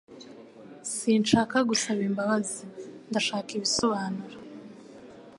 Sinshaka gusaba imbabazi. Ndashaka ibisobanuro.